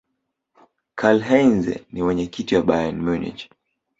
karlheinze ni mwenyekiti wa bayern munich